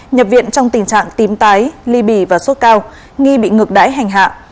nhập viện trong tình trạng tím tái ly bì và sốt cao nghi bị ngược đáy hành hạ